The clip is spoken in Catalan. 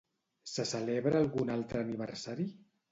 Se celebra algun altre aniversari?